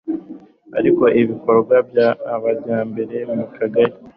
ry ibikorwa by amajyambere mu Kagari